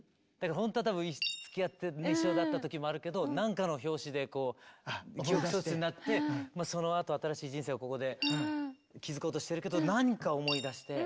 ほんとは多分つきあって一緒だった時もあるけど何かの拍子で記憶喪失になってそのあと新しい人生をここで築こうとしてるけど何か思い出して。